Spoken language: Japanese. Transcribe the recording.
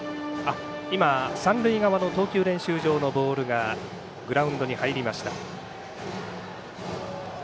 三塁側の投球練習場のボールがグラウンドに入りました。